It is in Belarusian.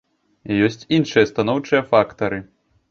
Ёсць іншыя станоўчыя фактары.